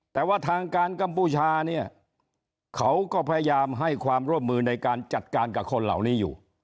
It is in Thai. แต่ว่าทางการกัมพูชาเนี่ยเขาก็พยายามให้ความร่วมมือในการจัดการกับคนเหล่านี้อยู่